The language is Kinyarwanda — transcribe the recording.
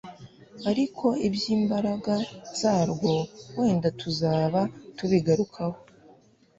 ariko iby'imbaraga zarwo wenda tuzaba tubigarukaho.